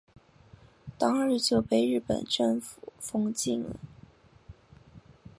当日就被日本政府封禁了。